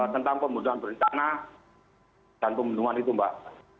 tentang pembunuhan berencana dan pembunuhan itu mbak